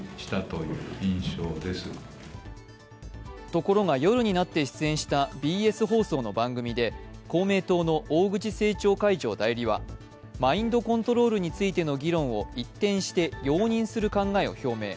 ところが、夜になって出演したＢＳ放送の番組で、公明党の大口政調会長代理はマインドコントロールについての議論を一転して容認する考えを表明。